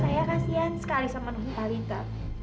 saya kasian sekali sama tuan talita